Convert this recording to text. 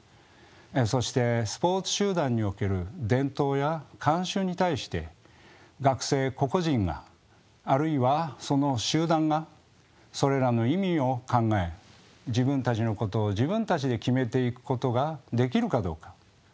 そしてスポーツ集団における伝統や慣習に対して学生個々人があるいはその集団がそれらの意味を考え自分たちのことを自分たちで決めていくことができるかどうか。